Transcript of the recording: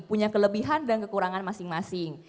punya kelebihan dan kekurangan masing masing